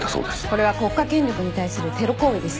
これは国家権力に対するテロ行為です。